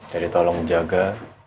jadi tolong jaga